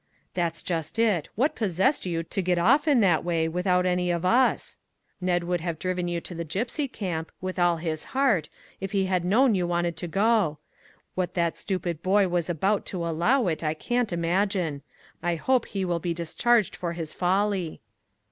" That's just it. What possessed you to get off in that way without any of us ? Ned would 243 MAG AND MARGARET have driven you to the gypsy camp, with all his heart, if he had known you wanted to go. What that stupid boy was about to allow it, I can't imagine. I hope he will be discharged for his folly."